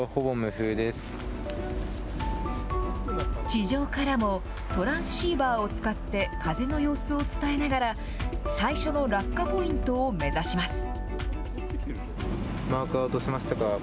地上からも、トランシーバーを使って風の様子を伝えながら、最初の落下ポイントを目指します。